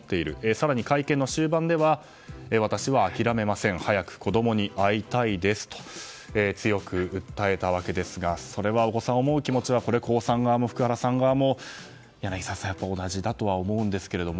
更に会見の終盤では私は諦めません早く子供に会いたいですと強く訴えたわけですがお子さんを思う気持ちは江さん側も福原さん側も柳澤さん、同じだとは思うんですけれども。